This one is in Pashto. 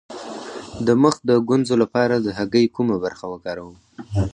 د مخ د ګونځو لپاره د هګۍ کومه برخه وکاروم؟